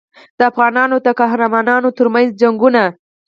د افغانانو د قهرمانانو ترمنځ جنګونه.